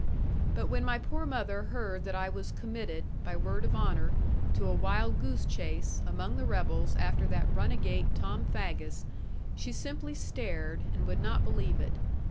But when my poor mother heard that I was committed, by word of honour, to a wild goose chase, among the rebels, after that runagate Tom Faggus, she simply stared, and would not believe it.